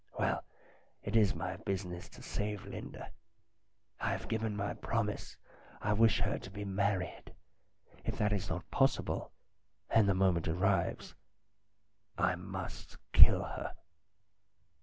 Well, it is my business to save Linda. I have given my promise. I wish her to be married. If that is not possible, and the moment arrives, I must kill her."